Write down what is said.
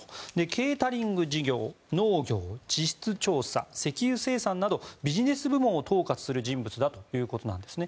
ケータリング事業、農業地質調査石油生産などビジネス部門を統括する人物だということです。